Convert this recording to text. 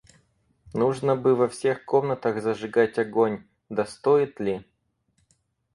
Нужно бы во всех комнатах зажигать огонь, — да стоит ли?